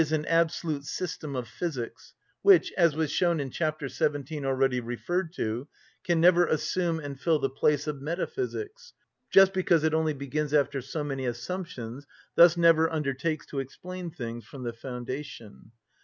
_, an absolute system of physics, which, as was shown in chap. 17 already referred to, can never assume and fill the place of metaphysics, just because it only begins after so many assumptions, thus never undertakes to explain things from the foundation.